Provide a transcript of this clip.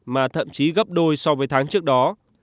mà thậm chí gấp đôi so với tháng trước đó